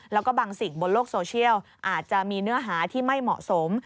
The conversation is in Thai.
แล้วก็บางสิ่งบนโลกโซเชียลอาจจะมีเนื้อหาที่ไม่เหมาะสม